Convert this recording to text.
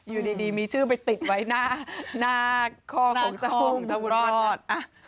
อยู่ดีมีชื่อไปติดไว้หน้าข้อของเจ้าบุญรอด